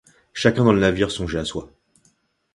Chacun dans le navire songeait à soi.